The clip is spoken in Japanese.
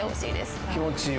あっ気持ちいい。